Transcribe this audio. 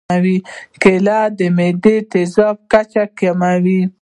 کېله د معدې د تیزابیت کچه کموي.